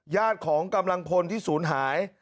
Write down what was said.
ญาติของกำลังพลที่ศูนย์หาย